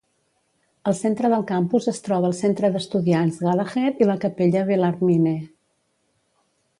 Al centre del campus es troba el centre d'estudiants Gallagher i la capella Bellarmine.